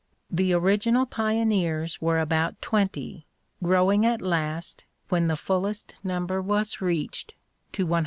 The original pioneers were about twenty, growing at last, when the fullest number was reached, to 150.